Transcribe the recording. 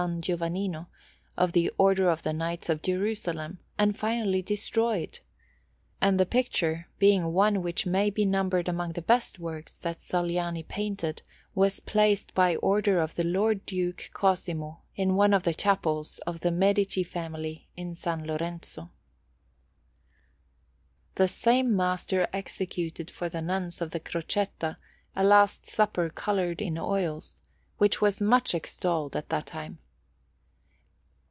Giovannino, of the Order of the Knights of Jerusalem, and finally destroyed; and the picture, being one which may be numbered among the best works that Sogliani painted, was placed by order of the Lord Duke Cosimo in one of the chapels of the Medici family in S. Lorenzo. The same master executed for the Nuns of the Crocetta a Last Supper coloured in oils, which was much extolled at that time.